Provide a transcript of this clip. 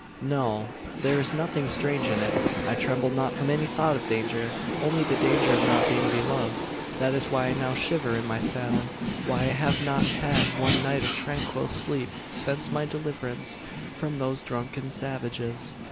"No there is nothing strange in it. I tremble not from any thought of danger only the danger of not being beloved. That is why I now shiver in my saddle why I have not had one night of tranquil sleep since my deliverance from those drunken savages.